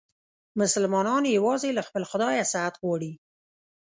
مسلمانان یووازې له خپل خدایه صحت غواړي.